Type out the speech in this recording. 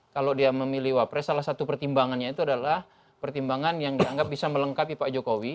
kalau dia memilih wapres salah satu pertimbangannya itu adalah pertimbangan yang dianggap bisa melengkapi pak jokowi